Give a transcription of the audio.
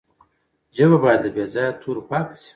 ژبه باید له بې ځایه تورو پاکه سي.